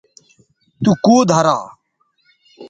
تو کوؤ دھرا